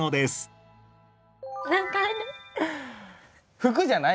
服じゃない？